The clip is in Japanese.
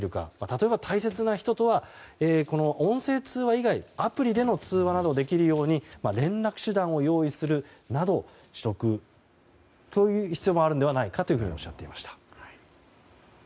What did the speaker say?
例えば、大切な人とは音声通話以外、アプリでの通話などもできるように連絡手段を用意するなど他の方法を取得する必要もあるんじゃないかとおっしゃっていました。